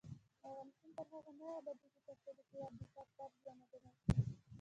افغانستان تر هغو نه ابادیږي، ترڅو د هیواد دفاع فرض ونه ګڼل شي.